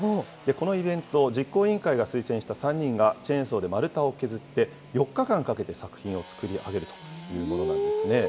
このイベント、実行委員会が推薦した３人がチェーンソーで丸太を削って４日間かけて作品を作り上げるというものなんですね。